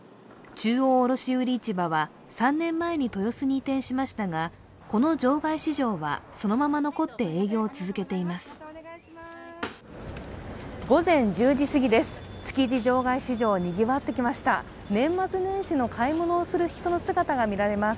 中央卸売市場は３年前に豊洲に移転しましたが、この場外市場はそのまま残って営業を続けています。